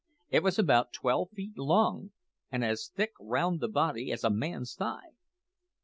It was about twelve feet long, and as thick round the body as a man's thigh.